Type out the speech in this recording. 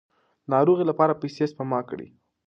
د ناروغۍ لپاره پیسې سپما کړئ.